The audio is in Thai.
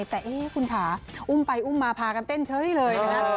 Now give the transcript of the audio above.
แต่คุณผาอุ้มไปอุ้มมาพากันเต้นเฉยเลยนะฮะ